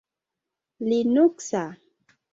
linuksa